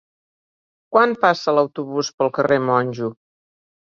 Quan passa l'autobús pel carrer Monjo?